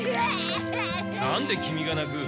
なんでキミがなく？